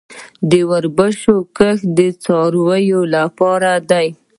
د وربشو کښت د څارویو لپاره دی